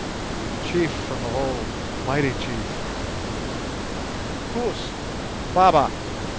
(Chief from of old—mighty chief) Koos! Baba!